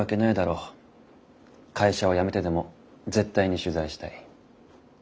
会社を辞めてでも絶対に取材したい。